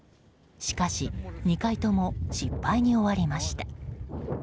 しかし、２回とも失敗に終わりました。